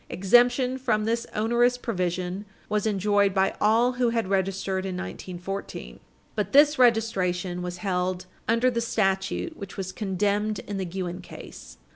Exemption from this onerous provision was enjoyed by all who had registered in 1914. But this registration was held under the statute which was condemned in the Guinn case.